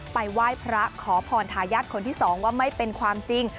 ไปไหว้พระขอพรทายาทคนที่๒ว่าไม่เป็นความจริง